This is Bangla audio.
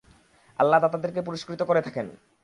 আল্লাহ দাতাদেরকে পুরস্কৃত করে থাকেন।